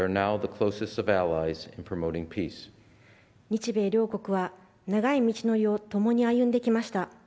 日米両国は長い道のりをともに歩んできました。